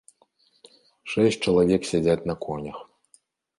Шэсць чалавек сядзяць на конях.